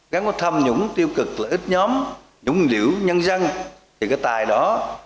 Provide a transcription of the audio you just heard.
gắn có thâm nhũng tiêu cực lợi ích nhóm nhũng liễu nhân dân thì cái tài đó